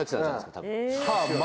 多分。